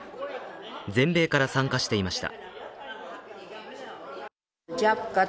全米から参加していました。